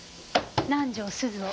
南条すずを。